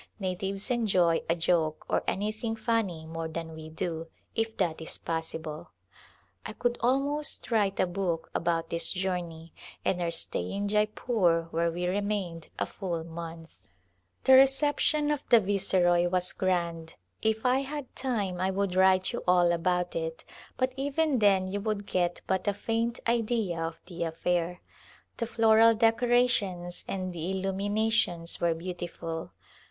Natives enjoy a joke or anything funny more than we do, if that is possible. I could almost write a book about this journey and our stay in Jeypore where we remained a full month. [^^^^ A Glimpse of India The reception of the Viceroy was grand. If I had time I would write you all about it, but even then you would get but a faint idea of the affair. The floral decorations and the illuminations were beautiful.